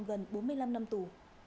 gần bốn mươi năm năm tù